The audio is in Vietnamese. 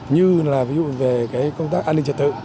như là công tác an ninh trợ tự